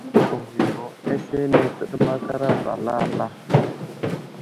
Ghwiyo aslane təɗemmakerge ba alala.